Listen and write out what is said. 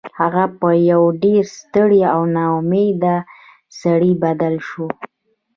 هغه په یو ډیر ستړي او ناامیده سړي بدل شو